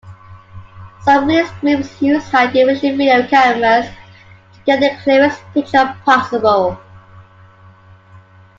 Some release groups use high-definition video cameras to get the clearest picture possible.